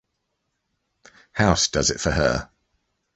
House does it for her.